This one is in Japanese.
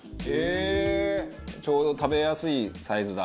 ちょうど食べやすいサイズだ。